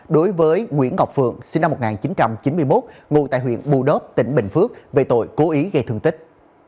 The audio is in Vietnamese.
đối với nguyễn ngọc phượng sinh năm một nghìn chín trăm chín mươi một ngụ tại huyện bù đớp tỉnh bình phước về tội cố ý gây thương tích